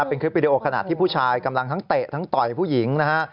เป็นคลิปวิดีโอขนาดที่ผู้ชายกำลังทั้งเตะทั้งต่อยผู้หญิงนะฮะ